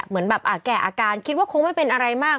เหมือนแบบแก่อาการคิดว่าคงไม่เป็นอะไรมาก